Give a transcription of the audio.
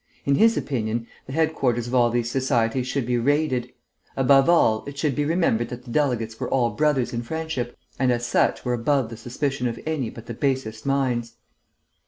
In his opinion, the headquarters of all these societies should be raided. Above all, it should be remembered that the delegates were all brothers in friendship, and as such were above the suspicion of any but the basest minds.